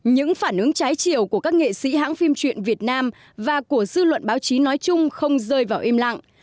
những phản ứng trái chiều của các nghệ sĩ hãng phim truyện việt nam và của dư luận báo chí nói chung không rơi vào im lặng